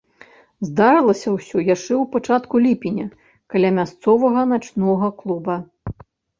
Здарылася ўсё яшчэ ў пачатку ліпеня каля мясцовага начнога клуба.